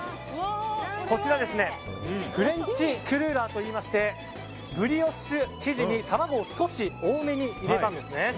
こちらフレンチクルーラーといいましてブリオッシュ生地に卵を少し多めに入れたんですね。